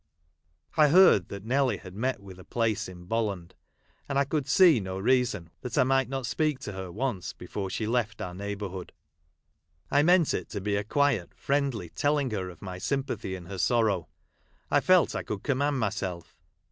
I heard that Nelly had met with a place in Bolland ; and I c^uld see no reason why I might not speak to her once before she left our neighbourhood. I meant it to be a quiet friendly telling her of my sym pathy in her sorrow. I felt I could command myself.